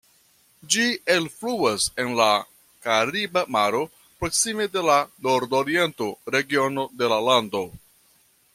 Ĝi elfluas en la Kariba Maro, proksime de la nordoriento regiono de la lando.